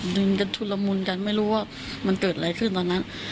ดึงกันชุดละมุนกันไม่รู้ว่ามันเกิดอะไรขึ้นตอนนั้น